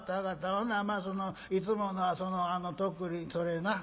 ほなまあそのいつものそのあの徳利それな。